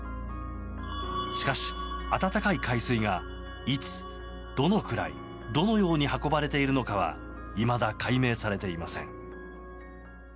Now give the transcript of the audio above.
しかし、暖かい海水がいつ、どのくらい、どのように運ばれているのかはいまだ解明されていません。